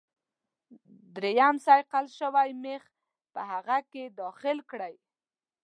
دریم صیقل شوی میخ په هغه کې داخل کړئ.